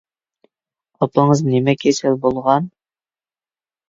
ئاپىڭىز نېمە كېسەل بولغان؟